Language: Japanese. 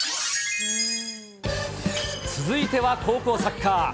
続いては高校サッカー。